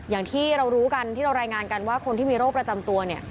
อย่างที่เรารู้กันที่เรารายงานกันว่าคนที่มีโรคประจำตัวเนี่ย